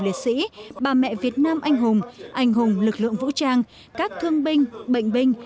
liệt sĩ bà mẹ việt nam anh hùng anh hùng lực lượng vũ trang các thương binh bệnh binh